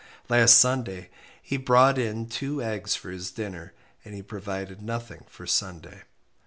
Last Saturday he brought in two eggs for his dinner, and he provided nothing for Sunday.